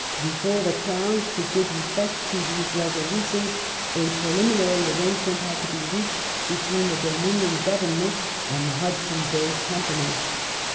Before the Crown could give effect to these resolutions a preliminary aiTangement had to be reached between the Dominion Government and the Hudson Bay Company.